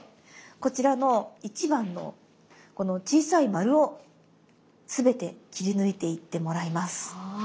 こちらの１番のこの小さい丸をすべて切り抜いていってもらいます。